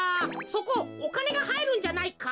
そこおかねがはいるんじゃないか？